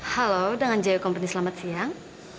halo dengan jaya komprni selamat siang